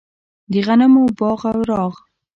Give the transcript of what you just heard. د غمونو باغ او راغ.